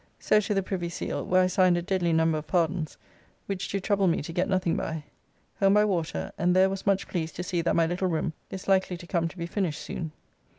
So to the Privy Seal, where I signed a deadly number of pardons, which do trouble me to get nothing by. Home by water, and there was much pleased to see that my little room is likely to come to be finished soon.